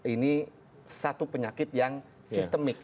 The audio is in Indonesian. ini satu penyakit yang sistemik